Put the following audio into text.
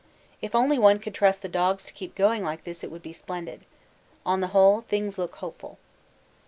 If only one could trust the dogs to keep going like this it would be splendid. On the whole things look hopeful.